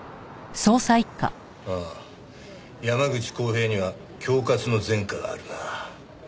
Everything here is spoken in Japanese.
ああ山口孝平には恐喝の前科があるな。